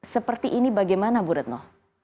seperti ini bagaimana bu retno